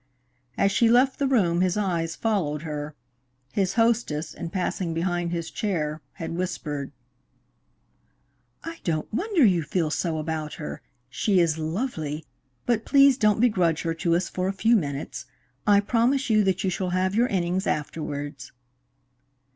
As she left the room, his eyes followed her. His hostess, in passing behind his chair, had whispered: "I don't wonder you feel so about her. She is lovely. But please don't begrudge her to us for a few minutes. I promise you that you shall have your innings afterwards."